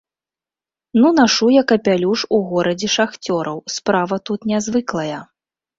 Ну нашу я капялюш у горадзе шахцёраў, справа тут нязвыклая.